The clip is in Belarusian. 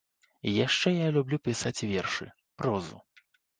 Яшчэ я люблю пісаць вершы, прозу.